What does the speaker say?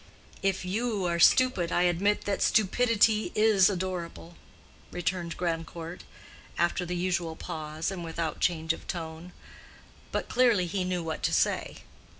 "If you are stupid, I admit that stupidity is adorable," returned Grandcourt, after the usual pause, and without change of tone. But clearly he knew what to say.